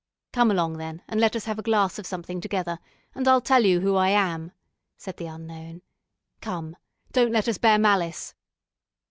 "Come along, then, and let us have a glass of something together, and I'll tell you who I am," said the unknown. "Come, don't let us bear malice."